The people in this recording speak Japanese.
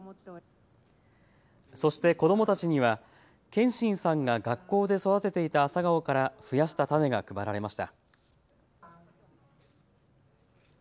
そして子どもたちには謙真さんが学校で育てていた朝顔から増やした種が配られました。